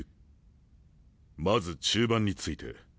まず中盤について。